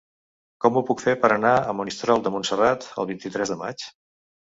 Com ho puc fer per anar a Monistrol de Montserrat el vint-i-tres de maig?